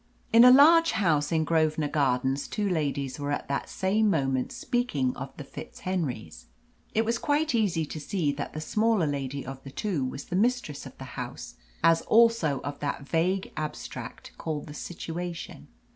In a large house in Grosvenor Gardens two ladies were at that same moment speaking of the FitzHenrys. It was quite easy to see that the smaller lady of the two was the mistress of the house, as also of that vague abstract called the situation.